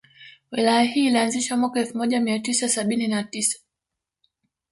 Wilaya hii ilianzishwa mwaka elfu moja mia tisa sabini na tisa